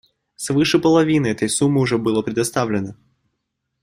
Свыше половины этой суммы уже было предоставлено.